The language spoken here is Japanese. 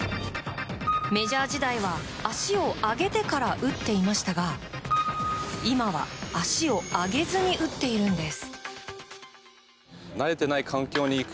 メジャー時代は足を上げてから打っていましたが今は足を上げずに打っているんです。